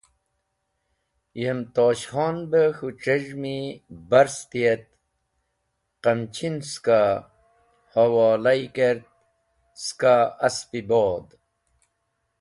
Yem Tosh Khon be k̃hũ c̃hez̃hmi barsti et qamchin ska hawolyi kert, ska Asp-e bod.